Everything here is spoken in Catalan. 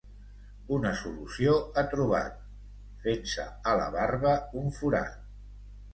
una solució ha trobat: fent-se a la barba un forat